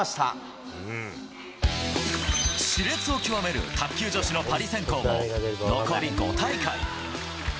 しれつを極める卓球女子のパリ選考も、残り５大会。